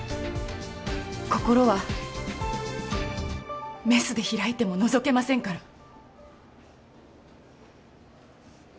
心はメスで開いてものぞけませんから。